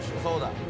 そうだ。